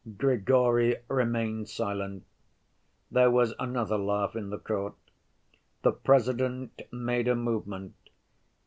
Grigory remained silent. There was another laugh in the court. The President made a movement.